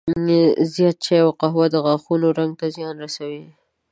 زیات چای او قهوه د غاښونو رنګ ته زیان رسوي.